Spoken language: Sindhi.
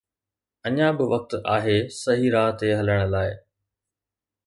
اڃا به وقت آهي صحيح راهه تي هلڻ لاءِ